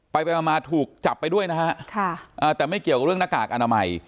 ไปไปมามาถูกจับไปด้วยนะฮะแต่ไม่เกี่ยวกับเรื่องหน้ากากอนามัย